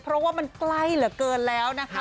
เพราะว่ามันใกล้เหลือเกินแล้วนะคะ